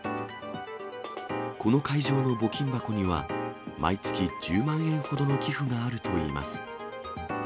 この会場の募金箱には、毎月１０万円ほどの寄付があるといいます。